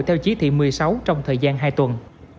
theo chỉ thị một mươi sáu trong thời gian hai tuần